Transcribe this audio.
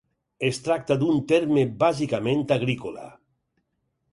Es tracta d'un terme bàsicament agrícola.